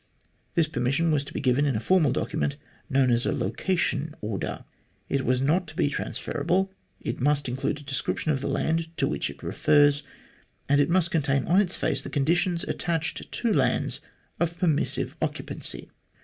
This permission was to be given in a formal document to be known as a " location order." It was not to be transferable ; it must include a description of the land to which it refers ; and it must contain, on its face, the conditions attached to lands of permissive occupancy.